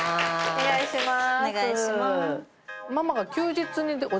お願いします。